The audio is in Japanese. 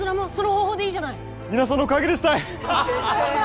皆さんのおかげですたい！